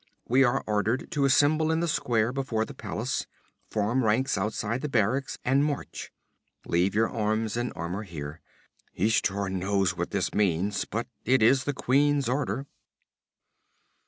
We are ordered to assemble in the square before the palace. Form ranks outside the barracks and march leave your arms and armor here. Ishtar knows what this means, but it is the queen's order."